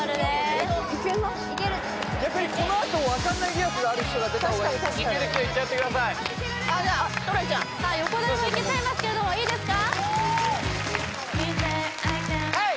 逆にこのあと分かんない疑惑がある人が出たほうがいいいける人いっちゃってくださいああじゃあトラちゃん横取りもいけちゃいますけれどもいいですか？